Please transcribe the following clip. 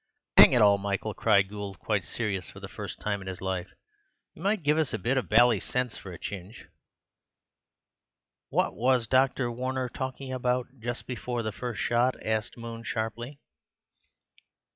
"'Ang it all, Michael," cried Gould, quite serious for the first time in his life, "you might give us a bit of bally sense for a chinge." "What was Dr. Warner talking about just before the first shot?" asked Moon sharply.